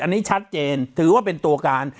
อันนี้ชัดเจนถือว่าเป็นตัวการ